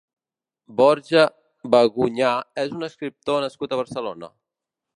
Borja Bagunyà és un escriptor nascut a Barcelona.